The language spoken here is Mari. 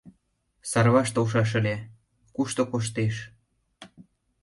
Сарваш толшаш ыле, кушто коштеш?